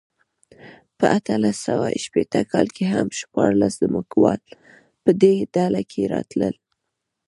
په اتلس سوه شپېته کال کې هم شپاړس ځمکوال په دې ډله کې راتلل.